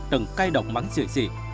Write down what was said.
từng cay độc mắng chị chị